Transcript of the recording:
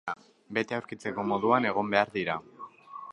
Beti aurkitzeko moduan egon behar dira.